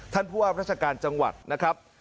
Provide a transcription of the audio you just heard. ท่านผู้ว่าราชการจังหวัดนะครับ